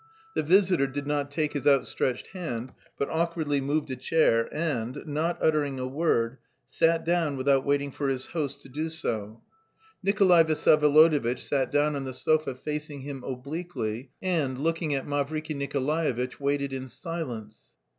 The visitor did not take his outstretched hand, but awkwardly moved a chair and, not uttering a word, sat down without waiting for his host to do so. Nikolay Vsyevolodovitch sat down on the sofa facing him obliquely and, looking at Mavriky Nikolaevitch, waited in silence.